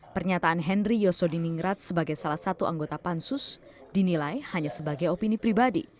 pernyataan henry yosodiningrat sebagai salah satu anggota pansus dinilai hanya sebagai opini pribadi